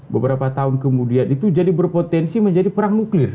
beberapa tahun kemudian itu jadi berpotensi menjadi perang nuklir